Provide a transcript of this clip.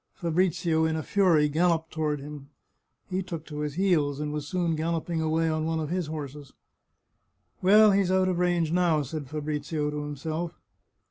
Fabrizio, in a fury, galloped toward him. He took to his heels, and was soon galloping away on one of his horses. " Well, he's out of range now," said Fabrizio to himself.